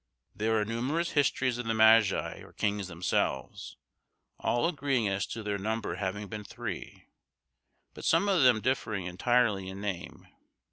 There are numerous histories of the magi or kings themselves, all agreeing as to their number having been three, but some of them differing entirely in name.